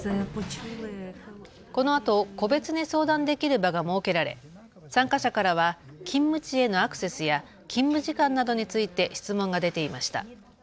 このあと個別に相談できる場が設けられ、参加者からは勤務地へのアクセスや勤務時間などについて質問が出ていました。